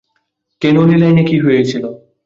ক্যানোলি লাইনে কী হয়েছিল?